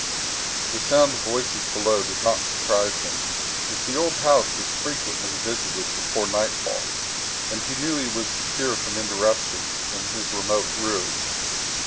The sound of voices below did not surprise him, as the old house was frequently visited before nightfall and he knew he was secure from interruption in his remote room.